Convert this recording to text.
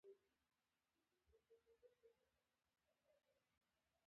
آیا موږ پاکستان ته اړتیا لرو؟